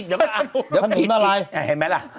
ศนุนเท่าไร